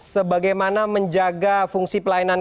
sebagaimana menjaga fungsi pelayanan